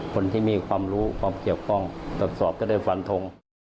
คนที่มีความรู้ความเกี่ยวกองกับสอบก็เลยฝันทง